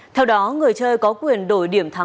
theo đó người chơi có quyền đổi điểm tham gia